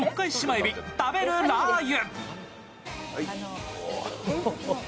えび食べるラー油。